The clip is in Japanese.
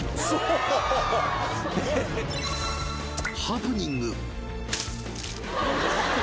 ハプニング。